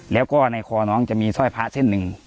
แล้วก็ในคอน้องจะมีสร้อยพระเส้นหนึ่ง